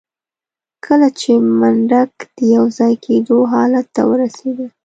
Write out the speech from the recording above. کله چې منډک د يوځای کېدو حالت ته ورسېده.